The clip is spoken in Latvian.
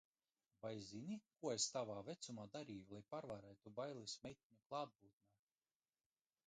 Vai zini, ko es tavā vecumā darīju, lai pārvarētu bailes meiteņu klātbūtnē?